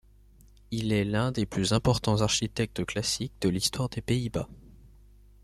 Il est l'un des plus importants architectes classiques de l'Histoire des Pays-Bas.